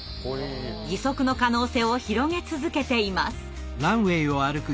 義足の可能性を広げ続けています。